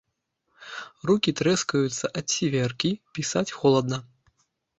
Рукі трэскаюцца ад сіверкі, пісаць холадна.